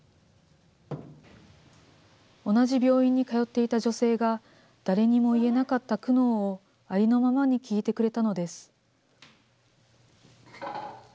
同じ病院に通っていた女性が、誰にも言えなかった苦悩を、ありのままに聞いてくれたのです。